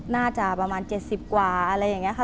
น่าจะประมาณ๗๐กว่าอะไรอย่างนี้ค่ะ